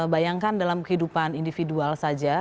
bayangkan dalam kehidupan individual saja